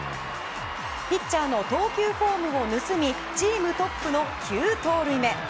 ピッチャーの投球フォームを盗みチームトップの９盗塁目。